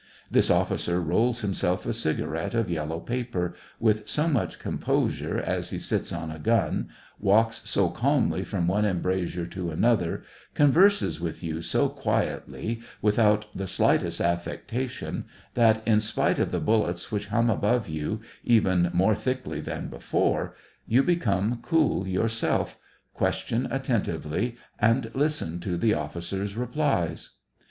This officer rolls himself a cigarette of yellow paper, with so much composure as he sits on a gun, walks so calmly from one embrasure to an other, converses with you so quietly, without the slightest affectation, that, in spite of the bullets which hum above you even more thickly than before, you become cool yourself, question atten tively, and listen to the officer's replies.